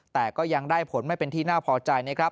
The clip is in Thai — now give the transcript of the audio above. แต่ก็ยังได้ผลไม่เป็นที่น่าพอใจนะครับ